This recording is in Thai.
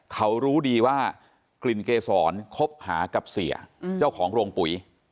เขารู้ดีว่ากลิ่นเกษรคบหากับเสียเจ้าของโรงปุ๋ย